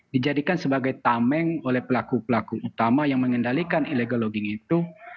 dijadikan sebagai tameng oleh pelaku pelaku utama yang mengendalikan illegal logging itu